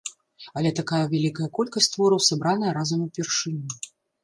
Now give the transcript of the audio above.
Але такая вялікая колькасць твораў сабраная разам упершыню.